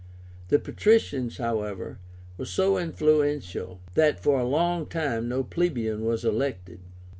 The patricians, however, were so influential, that for a long time no plebeian was elected.